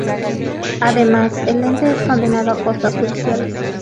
Además, el ente es condenado a costas judiciales.